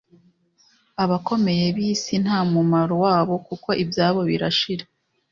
Abakomeye bisi ntamumaro wabo kuko ibyabo birashira